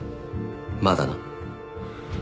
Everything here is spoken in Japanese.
まだな。